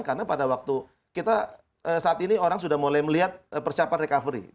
karena pada waktu kita saat ini orang sudah mulai melihat persiapan recovery